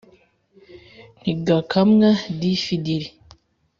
ntigakamwa difi diri